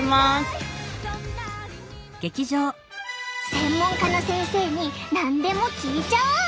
専門家の先生に何でも聞いちゃお。